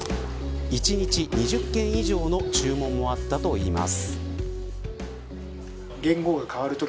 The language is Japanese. １日２０件以上の注文もあったといいます。